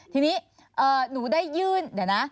ทีนี้หนูได้ยื่นเดี๋ยวนะ